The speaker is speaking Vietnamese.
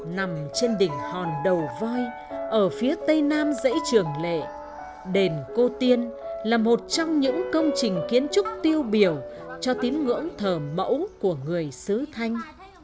nằm trên đỉnh hòn đầu voi ở phía tây nam dãy trường lệ đền cô tiên là một trong những công trình kiến trúc tiêu biểu cho tín ngưỡng thờ mẫu của người sứ thanh